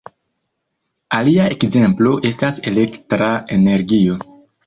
Alia ekzemplo estas elektra energio.